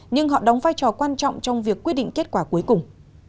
nhưng họ đóng vai trò quan trọng trong việc quyết định kết quả cuối cùng